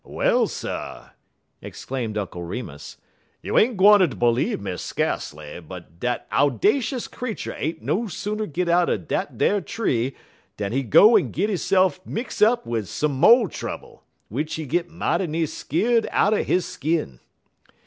"Well, sir," exclaimed Uncle Remus, "you ain't gwine ter b'leeve me, skacely, but dat owdashus creetur ain't no sooner git out er dat ar tree dan he go en git hisse'f mix up wid some mo' trouble, w'ich he git mighty nigh skeer'd out'n he skin.